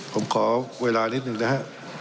ผมขอเวลานิดหนึ่งนะฮะ